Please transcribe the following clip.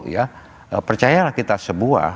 ya percayalah kita sebuah